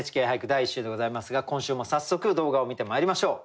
第１週でございますが今週も早速動画を観てまいりましょう。